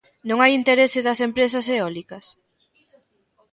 Non hai interese das empresas eólicas?